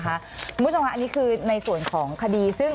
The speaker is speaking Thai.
คุณผู้ชมครับนี่ในส่วนของคดี